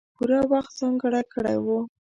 پوره وخت ځانګړی کړی وو.